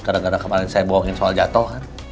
karena karena kemaren saya bohongin soal jatohan